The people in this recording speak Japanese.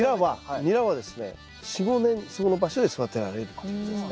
ニラはですね４５年そこの場所で育てられるっていうことですね。